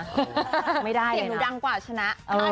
เสียงหนูดังกว่าชนะ